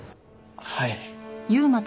はい。